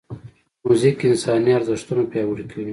موزیک انساني ارزښتونه پیاوړي کوي.